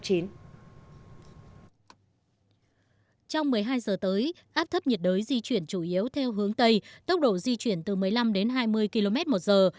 trong một mươi hai giờ tới áp thấp nhiệt đới di chuyển chủ yếu theo hướng tây tốc độ di chuyển từ một mươi năm đến hai mươi km một giờ